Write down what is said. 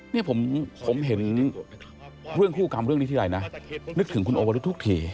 นี่ผมเห็นเรื่องคู่กรรมเรื่องนี้ทีไรนะนึกถึงคุณโอวรุธทุกที